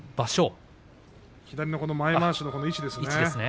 左の前まわしの位置ですね。